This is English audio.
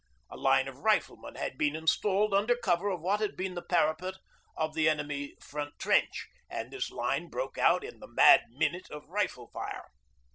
A line of riflemen had been installed under cover of what had been the parapet of the enemy front trench, and this line broke out in 'the mad minute' of rifle fire.